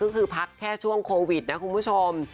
ก็คือพักแค่ช่วงโควิดนะคุณผู้ชม